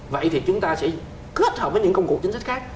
vậy thì chúng ta sẽ kết hợp với những công cụ chính sách khác